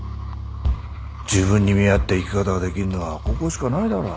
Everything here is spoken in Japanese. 自分に見合った生き方ができんのはここしかないだろ。